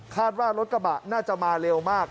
ว่ารถกระบะน่าจะมาเร็วมาก